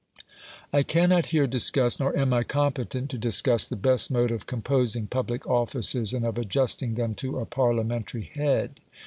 I cannot here discuss, nor am I competent to discuss, the best mode of composing public offices, and of adjusting them to a Parliamentary head.